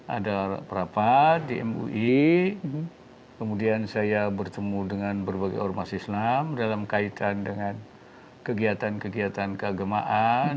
ada perapat di mui kemudian saya bertemu dengan berbagai ormas islam dalam kaitan dengan kegiatan kegiatan keagamaan